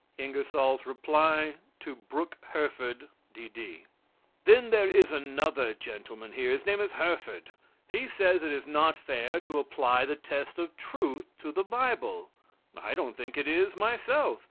INGERSOLL'S REPLY TO BROOKE HERFORD, D.D. Then there is another gentleman here. His name is Herford. He says it is not fair to apply the test of truth to the Bible I don't think it is myself.